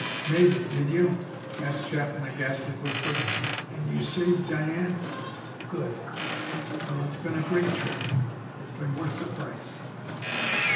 "Made it, did you?" asked Chet in a ghastly whisper. "And you've saved Diane?... Good!... Well, it's been a great trip.... It's been worth the price...."